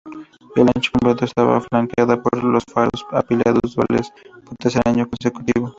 El ancho completo, "estaba flanqueada por los faros apilados duales, por tercer año consecutivo.